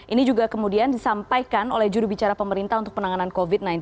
ini juga kemudian disampaikan oleh jurubicara pemerintah untuk penanganan covid sembilan belas